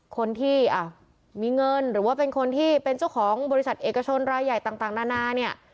คนที่มีเงินหรือว่าเป็นคนที่เป็นเจ้าของบริษัทเอกชนรายใหญ่ต่างนานาเนี่ย